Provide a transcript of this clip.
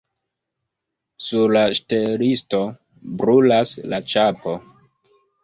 Sur la ŝtelisto brulas la ĉapo.